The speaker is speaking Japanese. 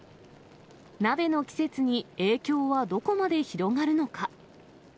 鍋の季節に影響はどこまで広がるのか。